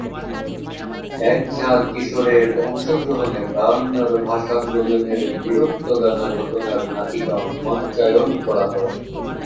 একঝাঁক কিশোরের অংশগ্রহণে বায়ান্নোর ভাষা আন্দোলনের বীরত্বগাথা ঘটনার নাটিকা মঞ্চায়ন করা হয়।